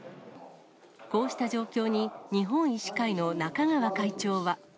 こうした状況に、日本医師会の中川会長は。